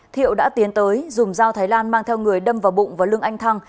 thiệu đã tiến tới dùng dao thái lan mang theo người đâm vào bụng và lương anh thăng